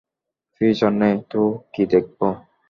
Future নেই তো কী দেখব!